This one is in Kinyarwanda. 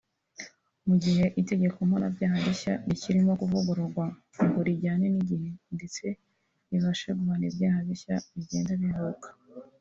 Mu gihe itegeko mpanabyaha rishya rikirimo kuvugururwa ngo rijyane n’igihe ndetse ribashe guhana ibyaha bishya bigenda bivuka